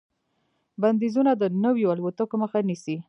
بندیزونه د نویو الوتکو مخه نیسي.